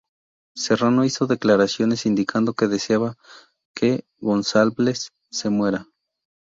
Serrano hizo declaraciones indicando que deseaba que Gonsalves se muera.